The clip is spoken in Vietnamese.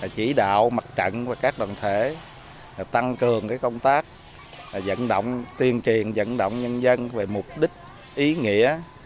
chỉ đạo mặt trận và các đoàn thể tăng cường công tác dẫn động tuyên truyền dẫn động nhân dân về mục đích ý nghĩa